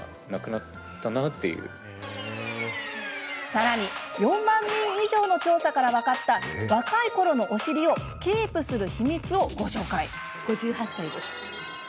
さらに４万人以上の調査から分かった若いころのお尻をキープする秘密をご紹介！